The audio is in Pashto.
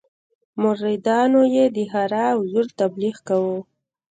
مریدانو یې د ښرا او زور تبليغ کاوه.